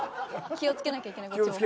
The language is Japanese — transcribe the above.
気を付けなきゃいけないこっちも。